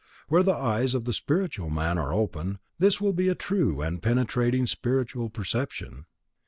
Where the eyes of the spiritual man are open, this will be a true and penetrating spiritual perception.